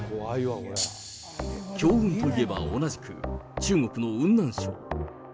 強運といえば、同じく中国の雲南省。